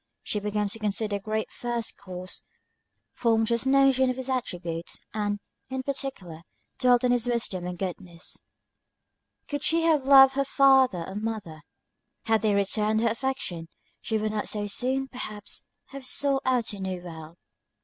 She began to consider the Great First Cause, formed just notions of his attributes, and, in particular, dwelt on his wisdom and goodness. Could she have loved her father or mother, had they returned her affection, she would not so soon, perhaps, have sought out a new world.